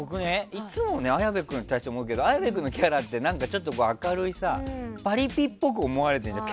いつも綾部君に対して思うけど綾部君のキャラってちょっと明るいパリピっぽく思われてるじゃん。